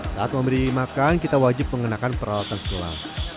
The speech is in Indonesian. saat mau beri makan kita wajib menggunakan peralatan selam